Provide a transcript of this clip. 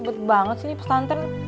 betul banget sih ini pesantren